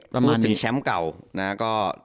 พูดถึงแชมป์เก่านะก็